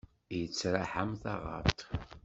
Yettraḥ am taɣaḍt.